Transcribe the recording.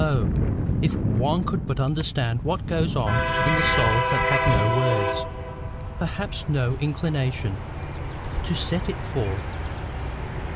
if one could but understand what goes on in the souls that have no words, perhaps no inclination, to set it forth!